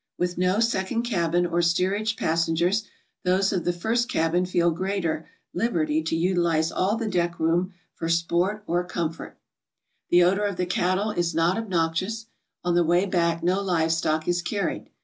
With no second cabin or steerage passengers, those of the first cabin feel greater liberty to utilize all the deck room for sport or com 38 GOING ABROAD? fort. The odor of the cattle is not obnoxious; on the way back no live stock is carried.